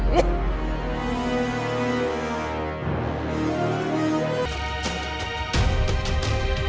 kamu buruk sama mama